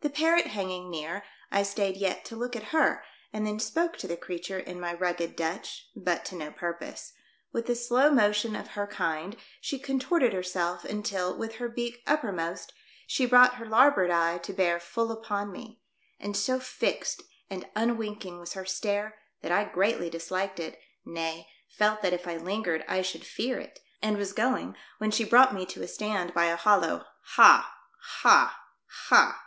The parrot hanging near, I stayed yet to look at her and then spoke to the creature in my rugged Dutch, but to no purpose ; with the slow motion of her kind she contorted herself until, with her beak uppermost, she brought her larboard eye to bear full upon me ; and so fixed and unwinking was her stare that I greatly disliked it, nay, felt that if I lingered I should fear it, and was going when she brought me to a stand by a hollow "Ha! ha! ha!"